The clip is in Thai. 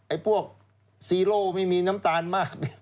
พวกซีโร่ไม่มีน้ำตาลมาก